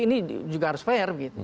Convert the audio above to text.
ini juga harus fair